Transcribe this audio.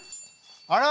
あら！